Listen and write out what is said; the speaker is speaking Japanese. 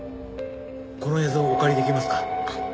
この映像お借りできますか？